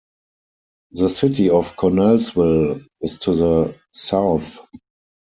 The city of Connellsville is to the south.